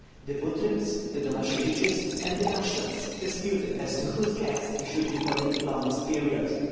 The Butryms, the Domasheviches, and the Gashtovts disputed as to whose guest he should be for the longest period.